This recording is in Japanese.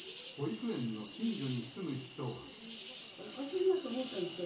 おかしいなと思ったんですよ。